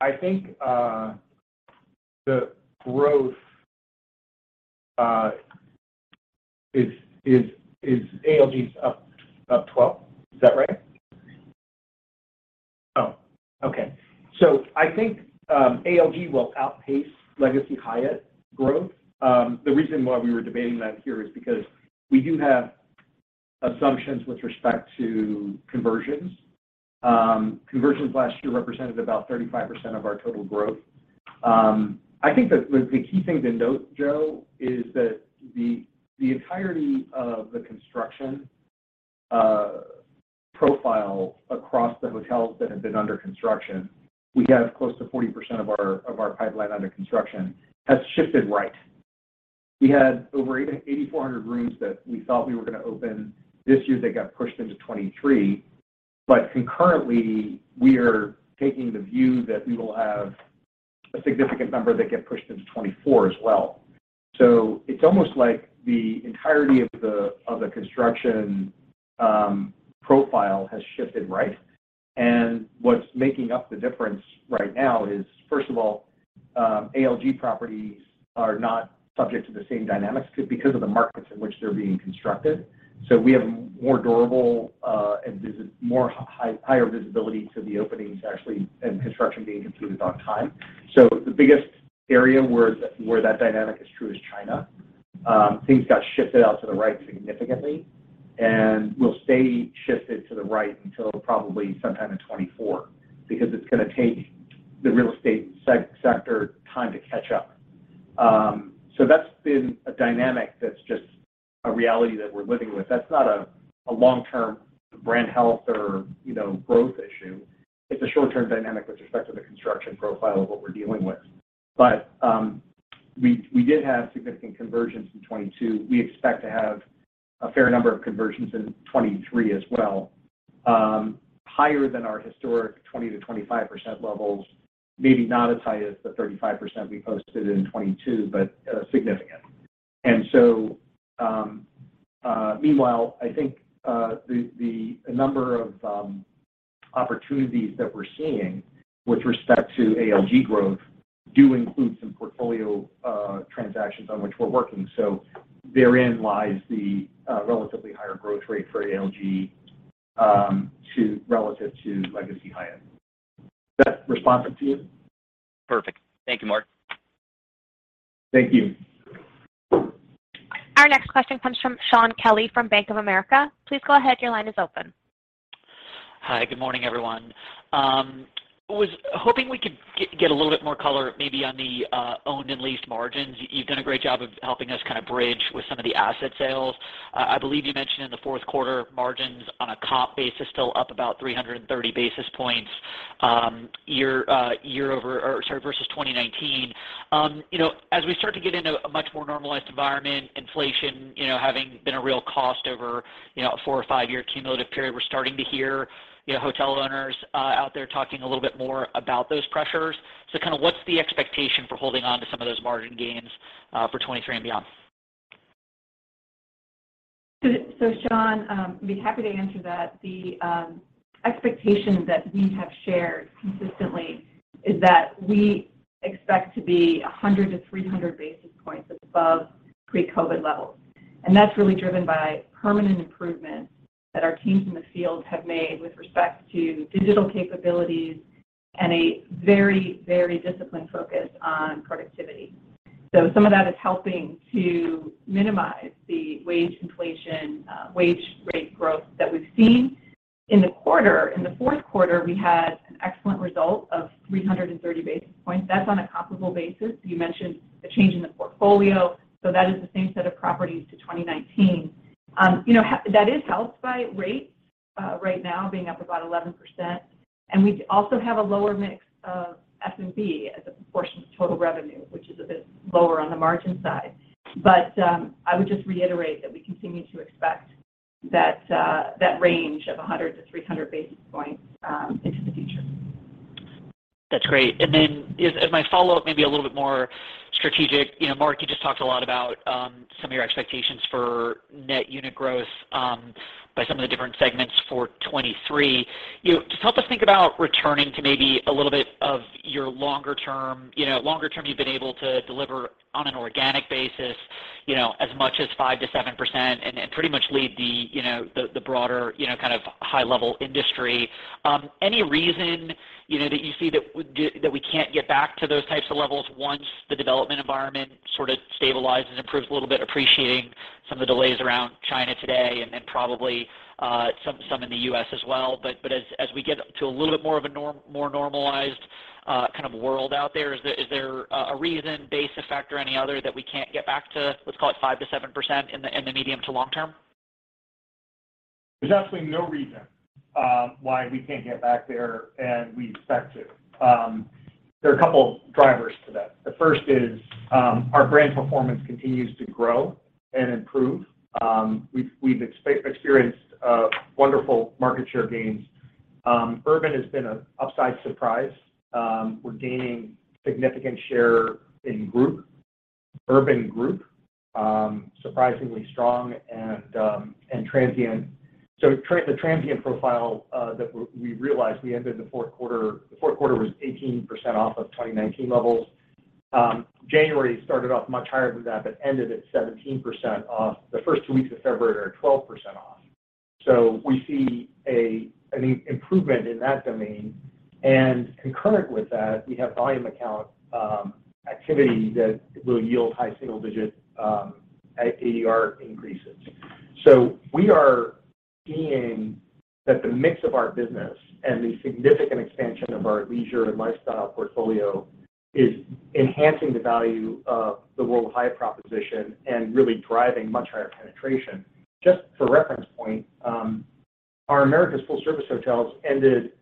I think the growth, ALG's up 12, is that right? I think ALG will outpace Legacy Hyatt growth. The reason why we were debating that here is because we do have assumptions with respect to conversions. Conversions last year represented about 35% of our total growth. I think that the key thing to note, Joe, is that the entirety of the construction profile across the hotels that have been under construction, we have close to 40% of our pipeline under construction, has shifted right. We had over even 8,400 rooms that we thought we were gonna open this year that got pushed into 2023. Concurrently, we are taking the view that we will have a significant number that get pushed into 2024 as well. It's almost like the entirety of the construction profile has shifted right. What's making up the difference right now is, first of all, ALG properties are not subject to the same dynamics because of the markets in which they're being constructed. We have more durable and higher visibility to the openings actually, and construction being completed on time. The biggest area where that dynamic is true is China. Things got shifted out to the right significantly, and will stay shifted to the right until probably sometime in 2024, because it's gonna take the real estate sector time to catch up. That's been a dynamic that's just a reality that we're living with. That's not a long-term brand health or, you know, growth issue. It's a short-term dynamic with respect to the construction profile of what we're dealing with. We did have significant conversions in 2022. We expect to have a fair number of conversions in 2023 as well, higher than our historic 20%-25% levels, maybe not as high as the 35% we posted in 2022, but significant. Meanwhile, I think the number of opportunities that we're seeing with respect to ALG growth do include some portfolio transactions on which we're working. Therein lies the relatively higher growth rate for ALG relative to Legacy Hyatt. Is that responsive to you? Perfect. Thank you, Mark. Thank you. Our next question comes from Shaun Kelley from Bank of America. Please go ahead. Your line is open. Hi. Good morning, everyone. I was hoping we could get a little bit more color maybe on the owned and leased margins. You've done a great job of helping us kind of bridge with some of the asset sales. I believe you mentioned in the Q4 margins on a comp basis still up about 330 basis points, year or sorry, versus 2019. You know, as we start to get into a much more normalized environment, inflation, you know, having been a real cost over, you know, a 4 or 5-year cumulative period, we're starting to hear, you know, hotel owners out there talking a little bit more about those pressures. Kind of what's the expectation for holding on to some of those margin gains for 2023 and beyond? Shaun, I'd be happy to answer that. The expectation that we have shared consistently is that we expect to be 100 to 300 basis points above pre-COVID levels. That's really driven by permanent improvements that our teams in the field have made with respect to digital capabilities and a very, very disciplined focus on productivity. Some of that is helping to minimize the wage inflation, wage rate growth that we've seen. In the quarter, in the Q4, we had an excellent result of 330 basis points. That's on a comparable basis. You mentioned a change in the portfolio. That is the same set of properties to 2019. You know, that is helped by rates, right now being up about 11%. We also have a lower mix of F&B as a proportion of total revenue, which is a bit lower on the margin side. I would just reiterate that we continue to expect that range of 100-300 basis points into the future. That's great. Then as my follow-up, maybe a little bit more strategic. You know, Mark, you just talked a lot about some of your expectations for net unit growth by some of the different segments for 2023. You know, just help us think about returning to maybe a little bit of your longer term. You know, longer term, you've been able to deliver on an organic basis, you know, as much as 5%-7% and pretty much lead the, you know, the broader, you know, kind of high-level industry. Any reason, you know, that you see that we can't get back to those types of levels once the development environment sort of stabilizes, improves a little bit, appreciating some of the delays around China today and then probably some in the U.S. as well. As we get to a little bit more of a more normalized kind of world out there, is there a reason, base effect or any other, that we can't get back to, let's call it 5% to 7% in the medium to long term? There's absolutely no reason why we can't get back there, and we expect to. There are a couple of drivers to that. The first is, our brand performance continues to grow and improve. We've experienced wonderful market share gains. Urban has been an upside surprise. We're gaining significant share in group, urban group, surprisingly strong and transient. The transient profile that we realized we ended the Q4, the Q4 was 18% off of 2019 levels. January started off much higher than that, but ended at 17% off. The first two weeks of February are 12% off. We see an improvement in that domain. Concurrent with that, we have volume account activity that will yield high single digit ADR increases. We are seeing that the mix of our business and the significant expansion of our leisure and lifestyle portfolio is enhancing the value of the World of Hyatt proposition and really driving much higher penetration. Just for reference point, our Americas full service hotels ended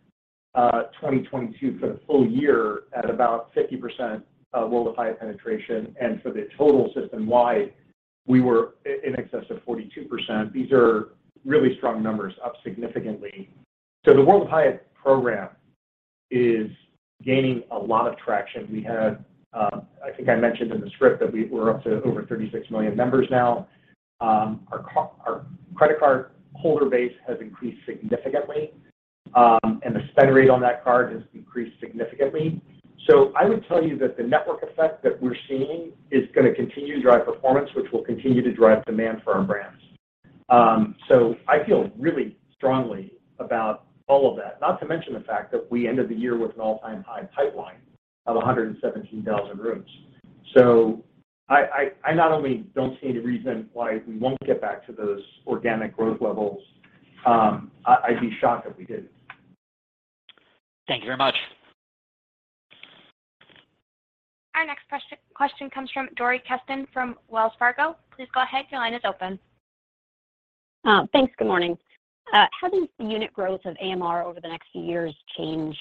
2022 for the full year at about 50% World of Hyatt penetration. For the total system-wide, we were in excess of 42%. These are really strong numbers, up significantly. The World of Hyatt program is gaining a lot of traction. We had, I think I mentioned in the script that we're up to over 36 million members now. Our credit card holder base has increased significantly, and the spend rate on that card has increased significantly. I would tell you that the network effect that we're seeing is gonna continue to drive performance, which will continue to drive demand for our brands. I feel really strongly about all of that. Not to mention the fact that we ended the year with an all-time high pipeline of 117,000 rooms. I not only don't see any reason why we won't get back to those organic growth levels, I'd be shocked if we didn't. Thank you very much. Our next question comes from Dori Kesten from Wells Fargo. Please go ahead. Your line is open. Thanks. Good morning. How does the unit growth of AMR over the next few years change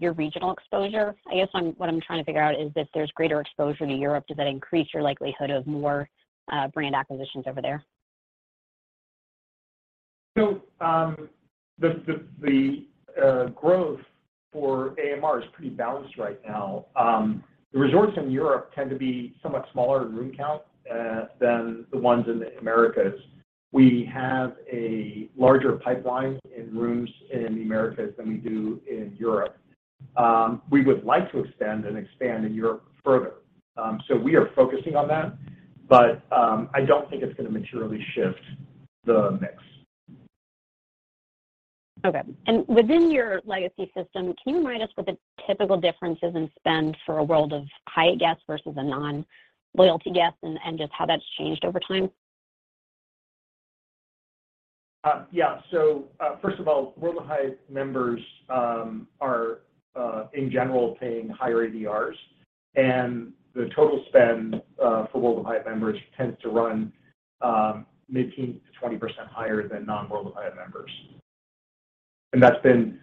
your regional exposure? What I'm trying to figure out is if there's greater exposure to Europe, does that increase your likelihood of more brand acquisitions over there? The growth for AMR is pretty balanced right now. The resorts in Europe tend to be somewhat smaller in room count than the ones in the Americas. We have a larger pipeline in rooms in the Americas than we do in Europe. We would like to extend and expand in Europe further. We are focusing on that, but I don't think it's gonna materially shift the mix. Okay. Within your legacy system, can you remind us what the typical difference is in spend for a World of Hyatt guest versus a non-loyalty guest and just how that's changed over time? Yeah. First of all, World of Hyatt members are in general paying higher ADRs and the total spend for World of Hyatt members tends to run mid-teen to 20% higher than non-World of Hyatt members. That's been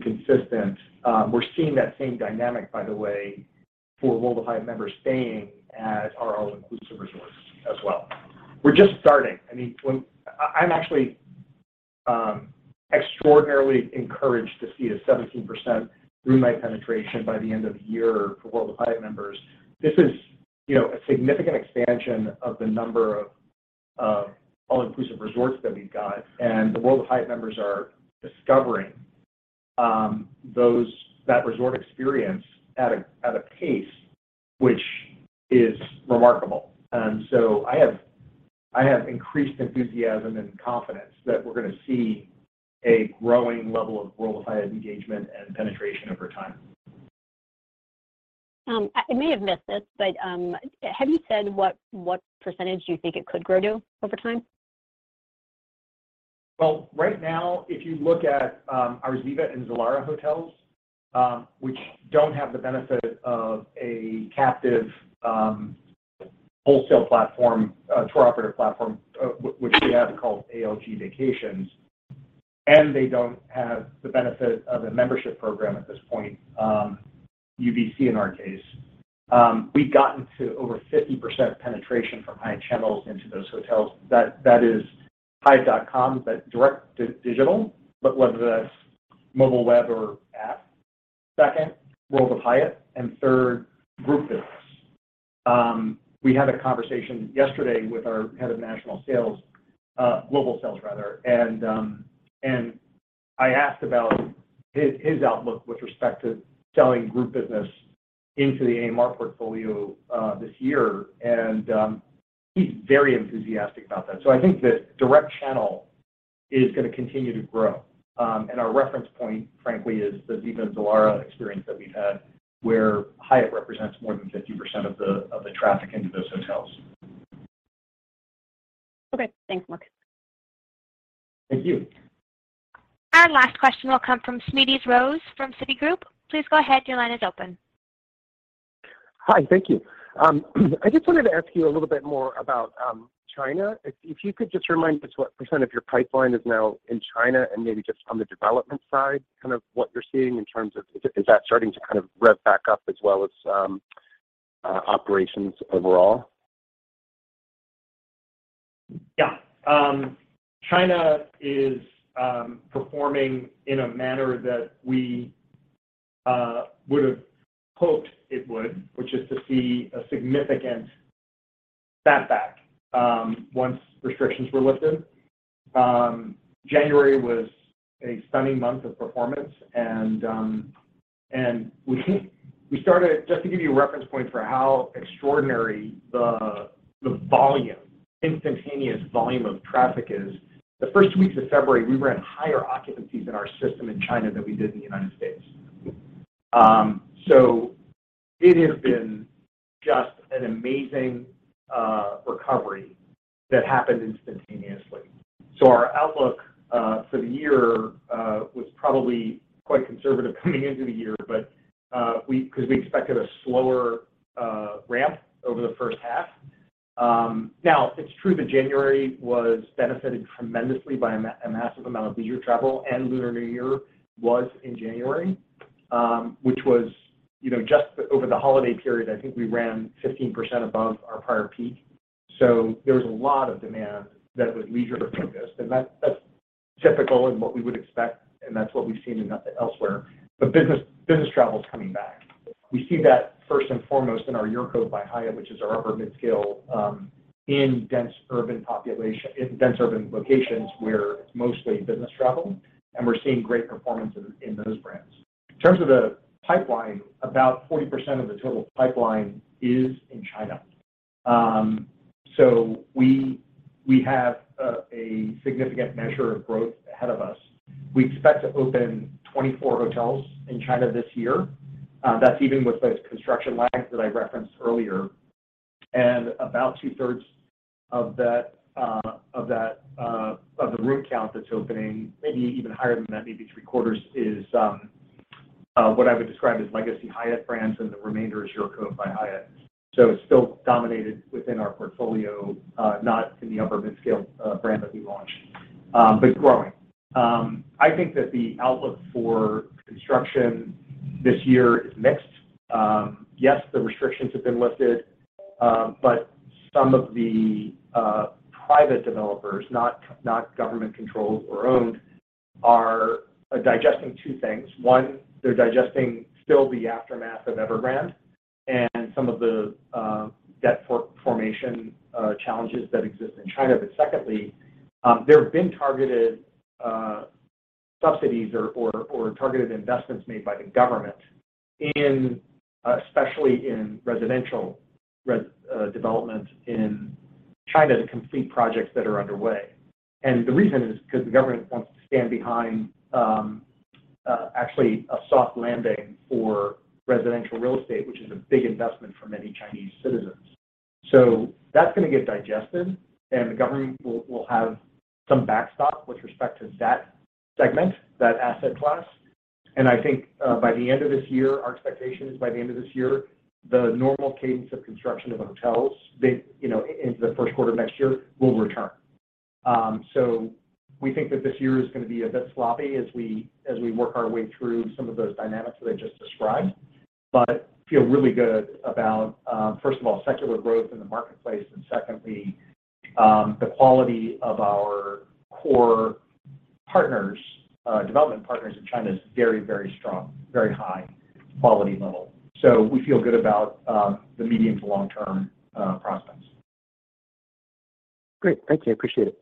consistent. We're seeing that same dynamic, by the way, for World of Hyatt members staying at our all-inclusive resorts as well. We're just starting. I mean, I'm actually extraordinarily encouraged to see a 17% room night penetration by the end of the year for World of Hyatt members. This is, you know, a significant expansion of the number of all-inclusive resorts that we've got, and the World of Hyatt members are discovering that resort experience at a pace which is remarkable. I have increased enthusiasm and confidence that we're gonna see a growing level of World of Hyatt engagement and penetration over time. I may have missed it, but, have you said what percentage do you think it could grow to over time? Well, right now, if you look at our Hyatt Ziva and Hyatt Zilara hotels, which don't have the benefit of a captive wholesale platform, tour operator platform, which we have called ALG Vacations, and they don't have the benefit of a membership program at this point, UVC in our case, we've gotten to over 50% penetration from Hyatt channels into those hotels. That is hyatt.com, that direct digital, whether that's mobile web or app. Second, World of Hyatt, third, group business. We had a conversation yesterday with our head of national sales, global sales rather, and I asked about his outlook with respect to selling group business into the AMR portfolio this year, he's very enthusiastic about that. I think the direct channel is gonna continue to grow. Our reference point, frankly, is the Ziva and Zilara experience that we've had, where Hyatt represents more than 50% of the traffic into those hotels. Okay. Thanks, Mark. Thank you. Our last question will come from Smedes Rose from Citigroup. Please go ahead. Your line is open. Hi, thank you. I just wanted to ask you a little bit more about China. If you could just remind us what % of your pipeline is now in China and maybe just on the development side, kind of what you're seeing in terms of is that starting to kind of rev back up as well as operations overall? Yeah. China is performing in a manner that we would've hoped it would, which is to see a significant snapback once restrictions were lifted. January was a stunning month of performance. Just to give you a reference point for how extraordinary the instantaneous volume of traffic is, the first two weeks of February, we ran higher occupancies in our system in China than we did in the United States. It has been just an amazing recovery that happened instantaneously. Our outlook for the year was probably quite conservative coming into the year, but because we expected a slower ramp over the first half. Now it's true that January was benefited tremendously by a massive amount of leisure travel, and Lunar New Year was in January, which was, you know, just over the holiday period, I think we ran 15% above our prior peak. There was a lot of demand that was leisure focused, and that's typical in what we would expect, and that's what we've seen in elsewhere. Business travel is coming back. We see that first and foremost in our UrCove by Hyatt, which is our upper mid-scale, in dense urban locations where it's mostly business travel, and we're seeing great performance in those brands. In terms of the pipeline, about 40% of the total pipeline is in China. We have a significant measure of growth ahead of us. We expect to open 24 hotels in China this year. That's even with those construction lags that I referenced earlier. About two-thirds of that, of the room count that's opening, maybe even higher than that, maybe three-quarters, is what I would describe as legacy Hyatt brands, and the remainder is UrCove by Hyatt. It's still dominated within our portfolio, not in the upper mid-scale brand that we launched, but growing. I think that the outlook for construction this year is mixed. Yes, the restrictions have been lifted, some of the private developers, not government-controlled or owned, are digesting 2 things. 1. They're digesting still the aftermath of Evergrande and some of the debt for-formation challenges that exist in China. Secondly, there have been targeted subsidies or targeted investments made by the government in especially in residential development in China to complete projects that are underway. The reason is because the government wants to stand behind actually a soft landing for residential real estate, which is a big investment for many Chinese citizens. That's gonna get digested, and the government will have some backstop with respect to that segment, that asset class. I think by the end of this year, our expectation is by the end of this year, the normal cadence of construction of hotels, they, you know, into the Q1 of next year will return. We think that this year is gonna be a bit sloppy as we work our way through some of those dynamics that I just described. Feel really good about, first of all, secular growth in the marketplace, and secondly, the quality of our core partners, development partners in China is very strong, very high quality level. We feel good about the medium to long term prospects. Great. Thank you. I appreciate it.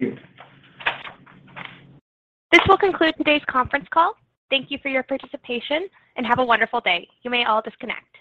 Thank you. This will conclude today's conference call. Thank you for your participation, and have a wonderful day. You may all disconnect.